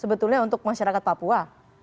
sebetulnya untuk masyarakat papua